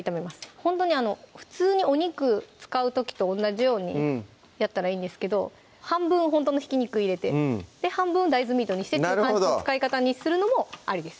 ほんとにあの普通にお肉使う時と同じようにやったらいいんですけど半分ほんとのひき肉入れて半分大豆ミートにしてっていう感じの使い方にするのもありです